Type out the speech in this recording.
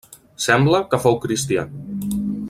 Sembla que fou cristià.